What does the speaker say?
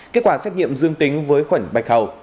kết quả xét nghiệm dương tính với khuẩn bạch hầu